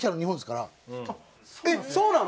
えっそうなの？